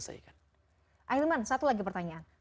ailman satu lagi pertanyaan